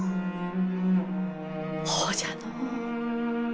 ほうじゃのう。